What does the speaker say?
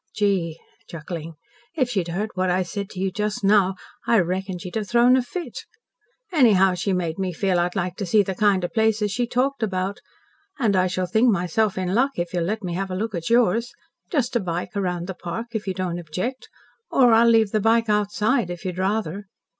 Gee!" chuckling, "if she'd heard what I said to you just now, I reckon she'd have thrown a fit. Anyhow she made me feel I'd like to see the kind of places she talked about. And I shall think myself in luck if you'll let me have a look at yours just a bike around the park, if you don't object or I'll leave the bike outside, if you'd rather."